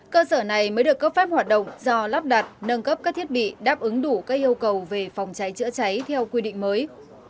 cơ sở này mới được cấp phép hoạt động do lắp đặt nâng cấp các thiết bị đáp ứng đủ các yêu cầu về phòng cháy chữa cháy theo quy định mới